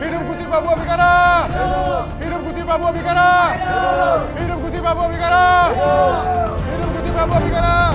raja baru kandang wesi